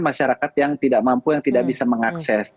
masyarakat yang tidak mampu yang tidak bisa mengakses